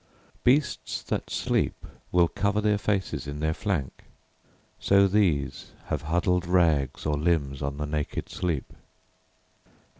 Beasts that sleep will coverTheir faces in their flank; so theseHave huddled rags or limbs on the naked sleep.